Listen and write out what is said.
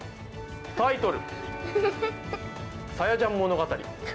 タイトル、さやちゃん物語。